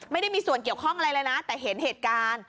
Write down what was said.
ไม่ได้มีส่วนเกี่ยวข้องอะไรเลยนะแต่เห็นเหตุการณ์